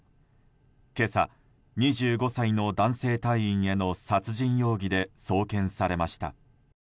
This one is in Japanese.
今朝、２５歳の男性隊員への殺人容疑で送検されました。